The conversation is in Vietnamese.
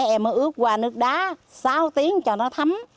em mới ướp qua nước đá sáu tiếng cho nó thấm